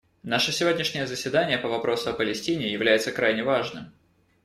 Наше сегодняшнее заседание по вопросу о Палестине является крайне важным.